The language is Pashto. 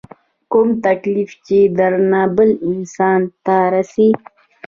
کوم تکليف چې درنه بل انسان ته رسي